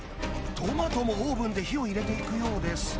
トマトもオーブンで火を入れていくようです